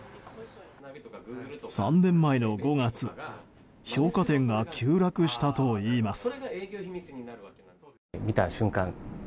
３年前の５月評価点が急落したといいます。